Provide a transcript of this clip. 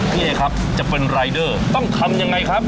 พี่เอครับจะเป็นรายเดอร์ต้องทำยังไงครับ